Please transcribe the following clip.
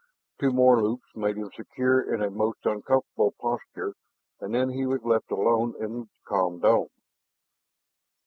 Two more loops made him secure in a most uncomfortable posture, and then he was left alone in the com dome.